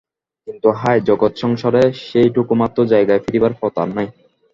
কিন্তু হায়, জগৎসংসারে সেইটুকুমাত্র জায়গায় ফিরিবার পথ আর নাই।